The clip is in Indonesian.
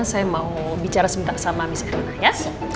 saya mau bicara sebentar sama miss reyna ya